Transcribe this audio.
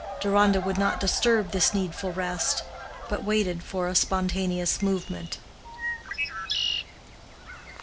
Deronda would not disturb this needful rest, but waited for a spontaneous movement.